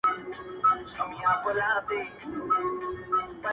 دا چي انجوني ټولي ژاړي سترگي سرې دي ـ